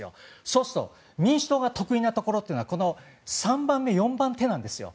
そうすると民主党が得意なところって３番目、４番手なんですよ。